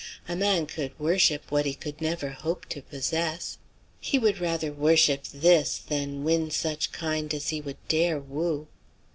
A man could worship what he could never hope to possess. He would rather worship this than win such kind as he would dare woo.